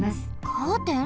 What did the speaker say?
カーテン？